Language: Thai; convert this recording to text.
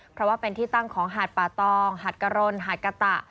เพราะว่าเป็นที่ตั้งของหาดป่าตองหาดกะรนหาดกะตะ